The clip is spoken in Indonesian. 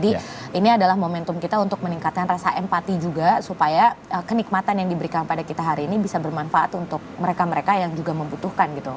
dan ini adalah momentum kita untuk meningkatkan rasa empati juga supaya kenikmatan yang diberikan pada kita hari ini bisa bermanfaat untuk mereka mereka yang juga membutuhkan gitu